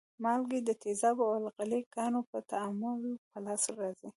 مالګې د تیزابو او القلي ګانو په تعامل په لاس راځي.